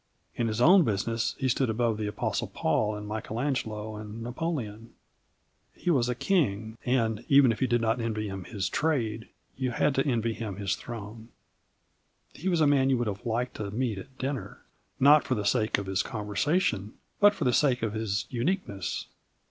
In his own business he stood above the Apostle Paul and Michelangelo and Napoleon. He was a king and, even if you did not envy him his trade, you had to envy him his throne. He was a man you would have liked to meet at dinner, not for the sake of his conversation, but for the sake of his uniqueness.